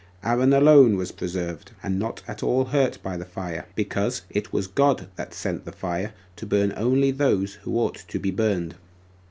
Aaron alone was preserved, and not at all hurt by the fire, because it was God that sent the fire to burn those only who ought to be burned.